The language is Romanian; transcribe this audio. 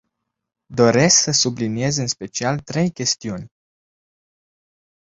Doresc să subliniez în special trei chestiuni.